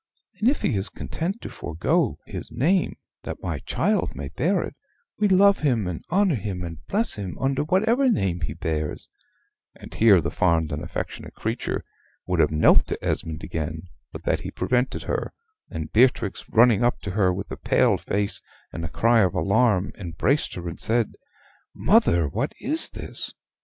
And if he is content to forego his name that my child may bear it, we love him and honor him and bless him under whatever name he bears" and here the fond and affectionate creature would have knelt to Esmond again, but that he prevented her; and Beatrix, running up to her with a pale face and a cry of alarm, embraced her and said, "Mother, what is this?"